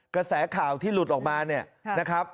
กระแสข่าวที่หลุดออกมา